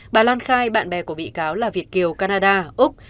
bà lan khai bạn bè của bị cáo là việt kiều canada úc